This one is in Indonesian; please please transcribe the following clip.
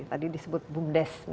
tadi disebut bumdes misalnya